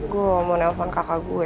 gue mau nelfon kakak gue